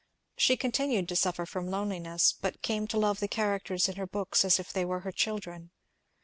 She continued to suffer from loneliness, but came to love the characters in her books as if they were her children.